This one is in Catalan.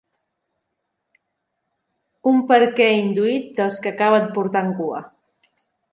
Un per què induït dels que acaben portant cua.